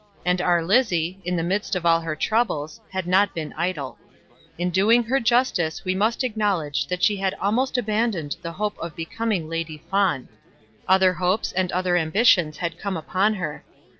And our Lizzie, in the midst of all her troubles, had not been idle. In doing her justice we must acknowledge that she had almost abandoned the hope of becoming Lady Fawn. Other hopes and other ambitions had come upon her.